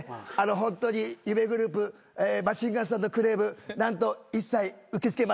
ホントに夢グループマシンガンズさんのクレーム何と一切受け付けません。